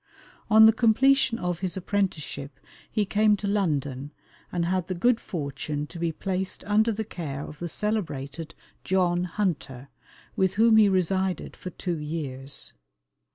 On the completion of his apprenticeship he came to London, and had the good fortune to be placed under the care of the celebrated John Hunter, with whom he resided for two years.